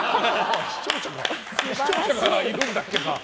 視聴者がいるんだっけか。